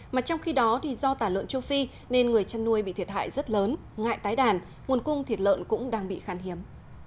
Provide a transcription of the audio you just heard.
mà trong khi đó do tả lợn châu phi nên người chăn nuôi bị thiệt hại rất lớn ngại tái đàn nguồn cung thịt lợn cũng đang bị khán hiếm